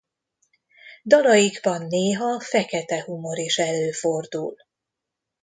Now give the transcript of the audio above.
Dalaikban néha fekete humor is előfordul.